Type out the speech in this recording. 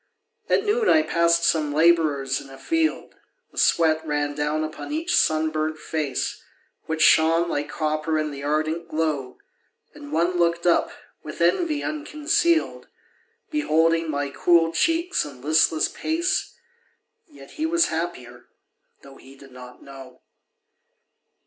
At noon I passed some labourers in a field. The sweat ran down upon each sunburnt face, Which shone like copper in the ardent glow. And one looked up, with envy unconcealed, Beholding my cool cheeks and listless pace, Yet he was happier, though he did not know.